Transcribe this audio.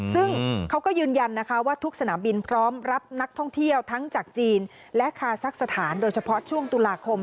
ซึ่งเขาก็ยืนยันนะคะว่าทุกสนามบินพร้อมรับนักท่องเที่ยวทั้งจากจีนและคาซักสถานโดยเฉพาะช่วงตุลาคม